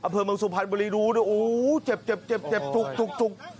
อเผินบางสุพรรณบุรีดูด้วยอู๋เจ็บเจ็บเจ็บเจ็บจุกจุกจุก